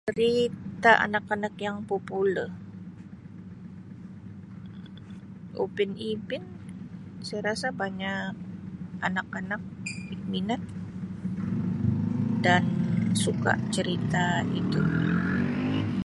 Cerita anak-anak yang popular Upin Ipin saya rasa banyak anak-anak minat dan suka cerita itu.